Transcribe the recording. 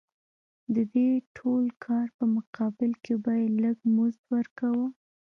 د دې ټول کار په مقابل کې به یې لږ مزد ورکاوه